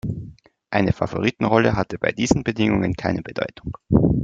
Eine Favoritenrolle hatte bei diesen Bedingungen keine Bedeutung.